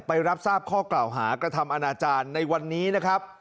รับทราบข้อกล่าวหากระทำอนาจารย์ในวันนี้นะครับ